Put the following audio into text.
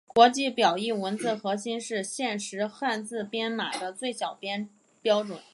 国际表意文字核心是现时汉字编码的最小标准。